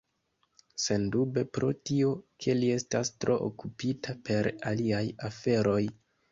Sendube pro tio, ke li estas tro okupita per aliaj aferoj.